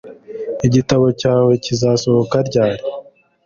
Igitabo cyawe kizasohoka ryari